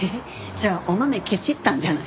じゃあお豆ケチったんじゃない？